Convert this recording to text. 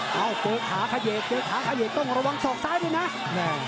โจ๊กขาขาเหยกขาขาเหยกต้องระวังสอกซ้ายดีนะ